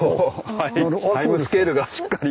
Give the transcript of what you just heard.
タイムスケールがしっかり。